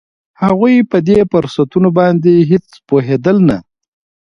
هغوی په دې فرصتونو باندې هېڅ پوهېدل نه